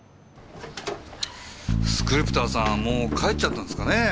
スクリプターさんもう帰っちゃったんですかね？